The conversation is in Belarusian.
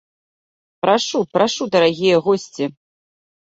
Прашу, прашу, дарагія госці.